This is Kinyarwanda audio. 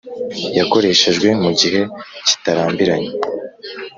yakoreshejwe mu gihe kitarambiranye